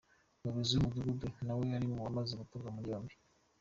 Umuyobozi w'umudugudu na we ari mu bamaze gutabwa muri yombi.